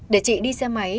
để chị đi xe máy